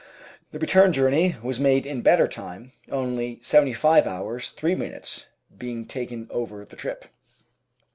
The return journey was made in better time, only 75 hours 3 minutes being taken over the trip.